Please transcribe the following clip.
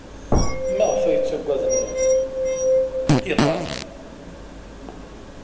Maɣef ay ttaggaden iḍan?